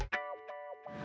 ya udah mampus